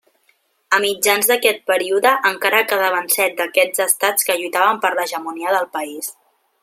A mitjans d'aquest període encara quedaven set d'aquests estats que lluitaven per l'hegemonia del país.